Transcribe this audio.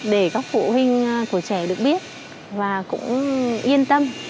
để các phụ huynh của trẻ được biết và cũng yên tâm